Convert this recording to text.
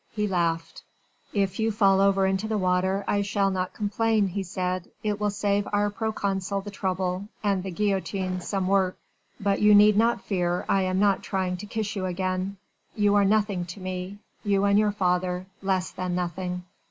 He laughed. "If you fall over into the water, I shall not complain," he said, "it will save our proconsul the trouble, and the guillotine some work. But you need not fear. I am not trying to kiss you again. You are nothing to me, you and your father, less than nothing.